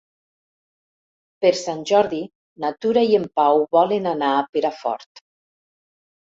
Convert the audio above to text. Per Sant Jordi na Tura i en Pau volen anar a Perafort.